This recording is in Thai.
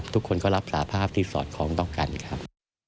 ทุกคนก็รับสาภาพที่สอดคล้องต้องกันครับ